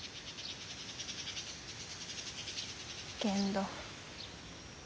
けんど。